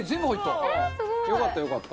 よかったよかった。